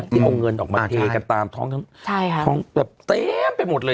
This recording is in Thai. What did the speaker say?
ที่มองเงินออกมาเทกันตามท้องทั้งท้องแบบเต้มไปหมดเลย